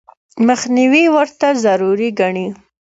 مخنیوي ورته ضروري ګڼي.